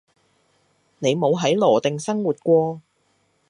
你冇喺羅定生活過